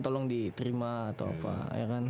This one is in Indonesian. tolong diterima atau apa ya kan